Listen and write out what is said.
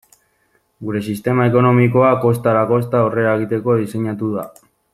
Gure sistema ekonomikoa kosta ala kosta aurrera egiteko diseinatu da.